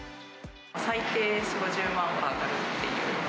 最低、４、５０万は上がるっていう。